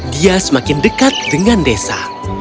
dia semakin dekat dengan desa